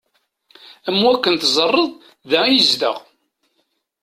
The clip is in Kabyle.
Am wakken teẓẓareḍ da i zedɣeɣ.